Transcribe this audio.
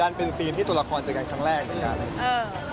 มันเป็นซีนที่ตัวละครเจอกันครั้งแรกในการเล่น